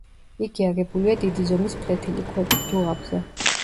იგი აგებულია დიდი ზომის ფლეთილი ქვებით დუღაბზე.